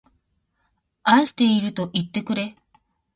愛しているといってくれ